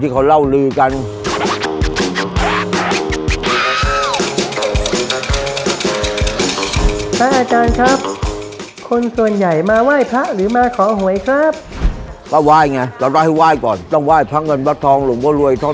ก็ว่ายไงเราต้องให้ว่ายก่อน